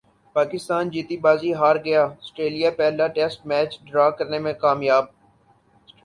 پاکستان جیتی بازی ہار گیا سٹریلیا پہلا ٹیسٹ میچ ڈرا کرنے میں کامیاب